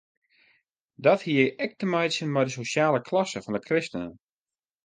Dat hie ek te meitsjen mei de sosjale klasse fan de kristenen.